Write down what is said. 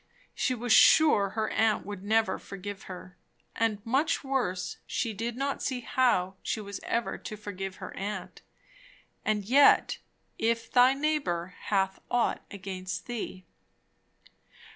She was sure her aunt would never forgive her. And, much worse, she did not see how she was ever to forgive her aunt. And yet "if thy neighbour hath ought against thee"